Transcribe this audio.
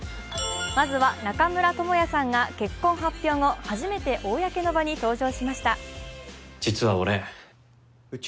まずは中村倫也さんが結婚発表後、初めて公の場に登場しました。